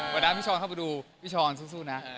วันนั้นพี่ช้อนเข้ามาดูพี่ช้อนสู้นะ